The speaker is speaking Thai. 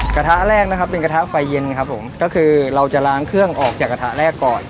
กระทะแรกนะครับเป็นกระทะไฟเย็นครับผมก็คือเราจะล้างเครื่องออกจากกระทะแรกก่อน